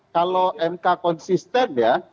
kalau mk konsisten ya